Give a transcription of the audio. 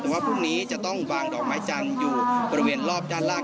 ว่าพรุ่งนี้จะต้องวางดอกไม้จันทร์อยู่บริเวณรอบด้านล่าง